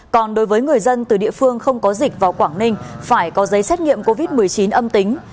còn đối với người dân từ địa phương không có dịch vào quảng ninh phải có giấy xét nghiệm covid một mươi chín âm tính